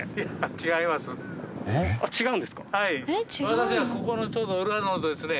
私はここのちょうど裏のですね